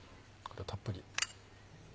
たっぷり。